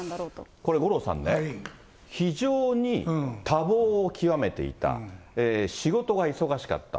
これ、五郎さんね、非常に多忙を極めていた、仕事が忙しかった。